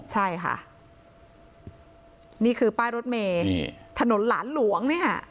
ใช่ค่ะนี่คือป้ายรถเมถนนหลานหลวงเนี่ยค่ะ